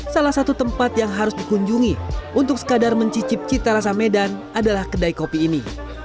salah satu tempat yang harus dikunjungi untuk sekadar mencicip cita rasa medan adalah kedai kopi ini